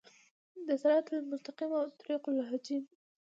د صراط المستقیم او طریق الجحیم